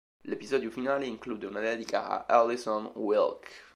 L'episodio finale include una dedica a Allison Wilke.